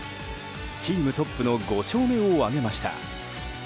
チームトップの５勝目を挙げました。